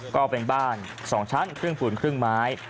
ก็เป็นบ้าน๒ชั้นครึ่งปูนครึ่งไม้